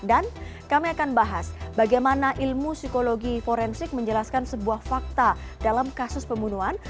dan kami akan bahas bagaimana ilmu psikologi forensik menjelaskan sebuah fakta dalam kasus pembunuhan